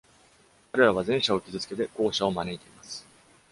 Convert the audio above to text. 彼らは前者を傷つけて、後者を招いています。